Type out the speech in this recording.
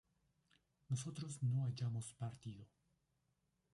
nosotros no hayamos partido